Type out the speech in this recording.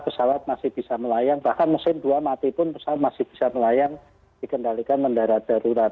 pesawat masih bisa melayang bahkan mesin dua mati pun pesawat masih bisa melayang dikendalikan mendarat darurat